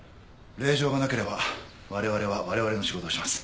令状がなければ我々は我々の仕事をします。